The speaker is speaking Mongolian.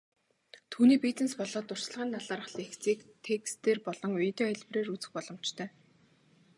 Түүний бизнес болоод туршлагын талаарх лекцийг текстээр болон видео хэлбэрээр үзэх боломжтой.